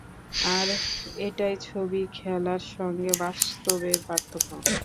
আর এটাই ছবি খেলার সঙ্গে বাস্তবের পার্থক্য।